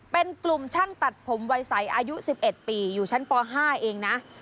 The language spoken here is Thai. เป็นกลุ่มช่างตัดผมวัยใสอายุ๑๑ปีอยู่ชั้นป๕เองนะ